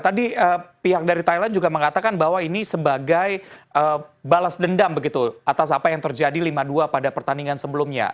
tadi pihak dari thailand juga mengatakan bahwa ini sebagai balas dendam begitu atas apa yang terjadi lima dua pada pertandingan sebelumnya